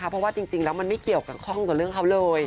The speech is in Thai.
เพราะว่าจริงแล้วมันไม่เกี่ยวกับข้องกับเรื่องเขาเลย